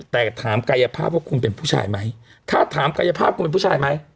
แต่ถามกายภาพว่าคุณเป็นผู้ชายไหมถ้าถามกายภาพคุณเป็นผู้ชายไหม